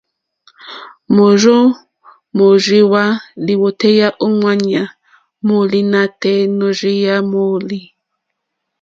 Môrzô mórzìwà lìwòtéyá ô ŋwáɲá mòòlî nátɛ̀ɛ̀ nôrzéyá mòòlí.